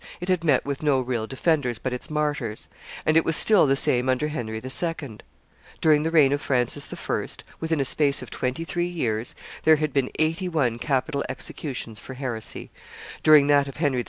it had met with no real defenders but its martyrs; and it was still the same under Henry II. During the reign of Francis I., within a space of twenty three years, there had been eighty one capital executions for heresy; during that of Henry II.